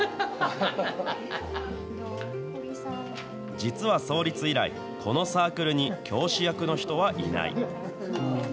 実は創立以来、このサークルに教師役の人はいない。